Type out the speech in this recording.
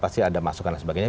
pasti ada masukan dan sebagainya